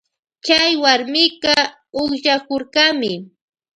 Chay warmika ukllakurkami.